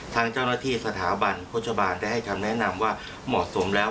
ทางเจ้าหน้าที่สถาบันโฆษบาลได้ให้คำแนะนำว่าเหมาะสมแล้ว